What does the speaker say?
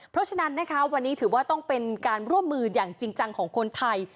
เพราะฉะนั้นนะคะวันนี้ถือว่าต้องเป็นการร่วมมืออย่างจริงจังของคนไทย